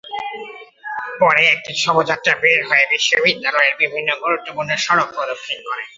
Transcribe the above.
পরে একটি শোভাযাত্রা বের হয়ে বিশ্ববিদ্যালয়ের বিভিন্ন গুরুত্বপূর্ণ সড়ক প্রদক্ষিণ করে।